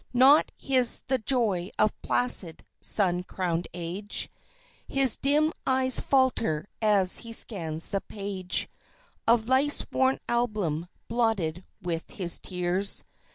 Not his the joy of placid, sun crowned age His dim eyes falter as he scans the page Of Life's worn album, blotted with his tears.